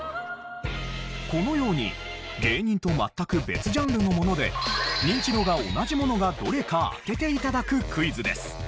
このように芸人と全く別ジャンルのものでニンチドが同じものがどれか当てて頂くクイズです。